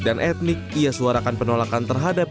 etnik ia suarakan penolakan terhadap